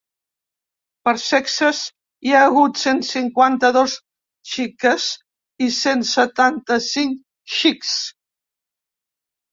Per sexes, hi ha hagut cent cinquanta-dos xiques i cent setanta-cinc xics.